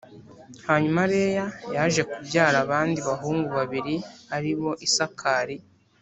hanyuma leya yaje kubyara abandi bahungu babiri ari bo isakari